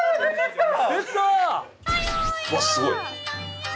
わっすごい。